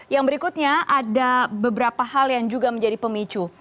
yang berikutnya ada beberapa hal yang juga menjadi pemicu